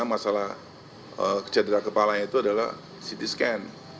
masalah cedera kepalanya itu adalah ct scan